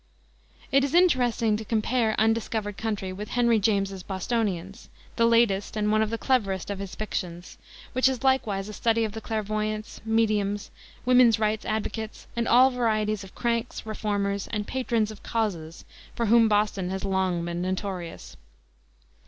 It is interesting to compare Undiscovered Country with Henry James's Bostonians, the latest and one of the cleverest of his fictions, which is likewise a study of the clairvoyants, mediums, woman's rights' advocates, and all varieties of cranks, reformers, and patrons of "causes," for whom Boston has long been notorious.